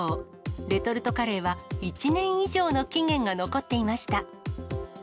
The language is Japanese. レトルトカレーは１年以上の期限が残っていました。